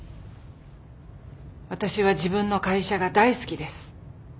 私は自分の会社が大好きです。